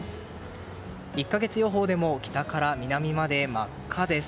１か月予報でも北から南まで真っ赤です。